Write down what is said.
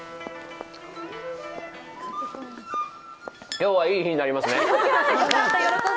今日はいい日になりますね。